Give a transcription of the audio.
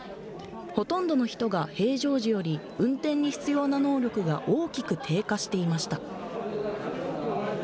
ほとんどの人が平常時より運転に必要な能力が大きく低下していました。